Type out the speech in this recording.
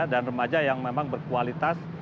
dan remaja yang memang berkualitas